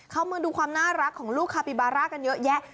มาดูความน่ารักของลูกคาปิบาร่ากันเยอะแยะ